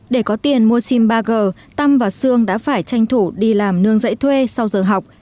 để có tiền mua sim ba g tâm và sương đã phải tranh thủ đi làm nương dạy thuê sau giờ học